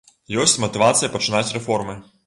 Ёсць матывацыя пачынаць рэформы.